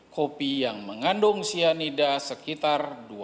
kopi yang mengandung cyanida sekitar dua belas delapan hingga dua puluh tujuh delapan